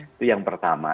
itu yang pertama